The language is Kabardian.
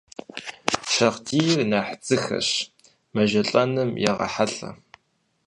Шагъдийр нэхъ дзыхэщ, мэжэлӀэным егъэхьэлъэ.